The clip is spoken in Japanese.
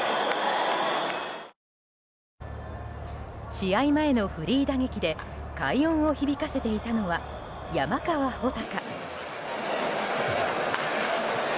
試合前のフリー打撃で快音を響かせていたのは山川穂高。